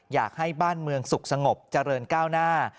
อยากให้บ้านเมืองสุขสงบเจริญก้าวหน้า